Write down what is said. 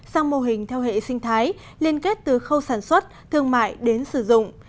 sang mô hình theo hệ sinh thái liên kết từ khâu sản xuất thương mại đến sử dụng